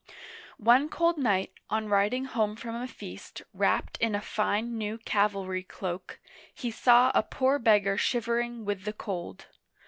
One cold night, on riding home from a feast, wrapped in a fine new cavalry cloak, he saw a poor beggar shivering with the cold.